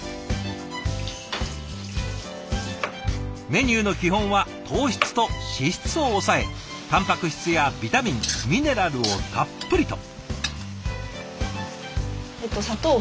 メニューの基本は糖質と脂質を抑えたんぱく質やビタミンミネラルをたっぷりと。